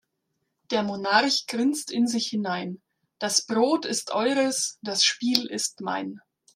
Der Monarch grinst in sich hinein: Das Brot ist eures, das Spiel ist mein.